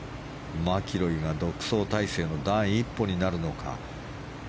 マキロイが独走態勢の第一歩になるのか。